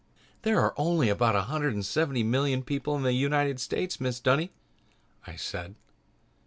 "There are only about a hundred and seventy million people in the United States, Mrs. Dunny," I said.